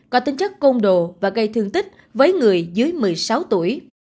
có tính chất côn đồ và gây thương tích với người dưới một mươi sáu tuổi